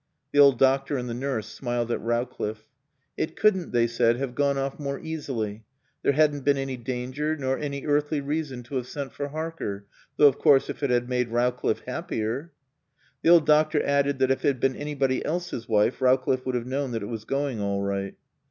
The old doctor and the nurse smiled at Rowcliffe. It couldn't, they said, have gone off more easily. There hadn't been any danger, nor any earthly reason to have sent for Harker. Though, of course, if it had made Rowcliffe happier ! The old doctor added that if it had been anybody else's wife Rowcliffe would have known that it was going all right.